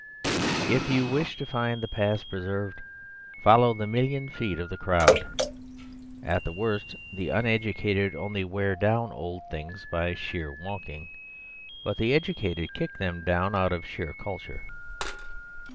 If you wish to find the past preserved, follow the million feet of the crowd. At the worst the uneducated only wear down old things by sheer walking. But the educated kick them down out of sheer culture.